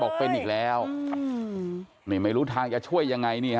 เวลาเป็นเขาจะกอดที่เสาอีกอย่างเนี่ย